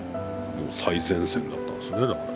最前線だったんですね、だから。